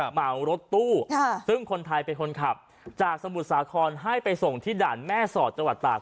เหมารถตู้ซึ่งคนไทยเป็นคนขับจากสมุทรสาครให้ไปส่งที่ด่านแม่สอดจังหวัดตาก